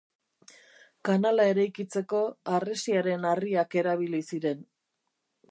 Kanala eraikitzeko harresiaren harriak erabili ziren.